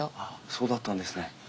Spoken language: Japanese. そうだったんですね。